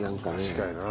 確かにな。